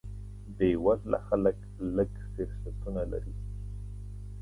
بې وزله خلک لږ فرصتونه لري.